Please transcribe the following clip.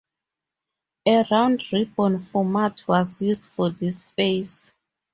A round robin format was used for this phase.